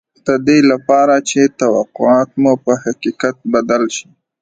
د دې لپاره چې توقعات مو په حقیقت بدل شي